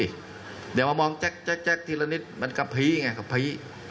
เดี๋ยวมามองแจ๊กแจ๊กแจ๊กทีละนิดมันกะพรีไงกะพรี